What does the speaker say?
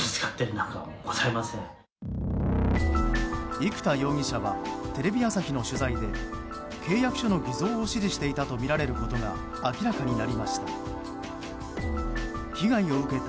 生田容疑者はテレビ朝日の取材で契約書の偽造を指示していたとみられることが明らかになりました。